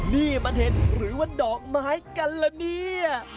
นี่มันเห็ดหรือว่าดอกไม้กันละเนี่ย